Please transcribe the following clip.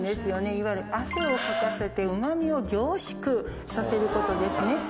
いわゆる汗をかかせてうま味を凝縮させることですね。